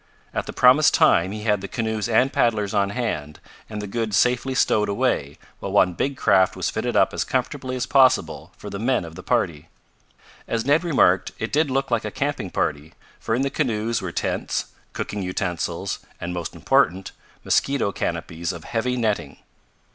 At the promised time he had the canoes and paddlers on hand and the goods safely stowed away while one big craft was fitted up as comfortably as possible for the men of the party. As Ned remarked, it did look like a camping party, for in the canoes were tents, cooking utensils and, most important, mosquito canopies of heavy netting.